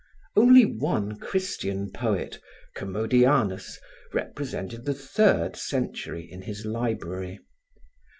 Only one Christian poet, Commodianus, represented the third century in his library.